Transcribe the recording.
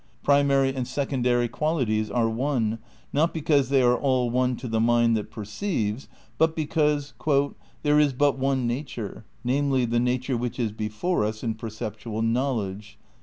Primary and secondary qualities are one, not because they are all one to the mind that perceives but because "there is but one nature, namely, the nature which is before us in perceptual knowledge."